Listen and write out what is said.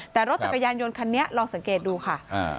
แต่รถจักรยานยนต์คันนี้ลองสังเกตดูค่ะ